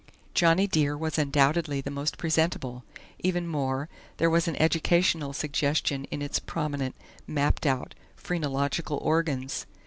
"Johnny Dear" was undoubtedly the most presentable; even more, there was an educational suggestion in its prominent, mapped out phrenological organs.